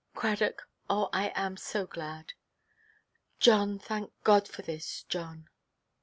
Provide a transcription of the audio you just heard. "Cradock, oh, I am so glad." "John, thank God for this, John!"